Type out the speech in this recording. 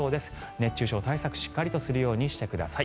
熱中症対策しっかりするようにしてください。